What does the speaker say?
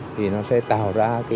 thì nó sẽ tạo ra